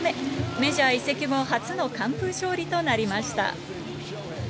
メジャー移籍後、初の完封勝利となりました。